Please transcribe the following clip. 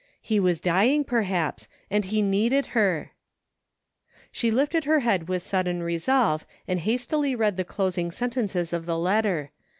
He was dying perhaps, and he needed her ! She lifted her head with sudden resolve and hastily read the closing sentences of the letter.